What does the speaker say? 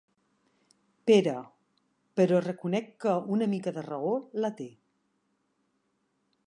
Pere—, però reconec que una mica de raó la té.